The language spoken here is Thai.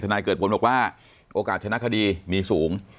นายเกิดผลบอกว่าโอกาสชนะคดีมีสูง